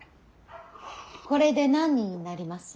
これで何人になります。